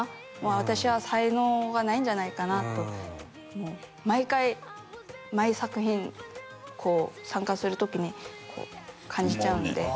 私は才能がないんじゃないかなと毎回毎作品こう参加する時に感じちゃうのであ